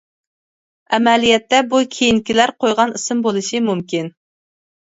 ئەمەلىيەتتە بۇ كېيىنكىلەر قويغان ئىسىم بولۇشى مۇمكىن.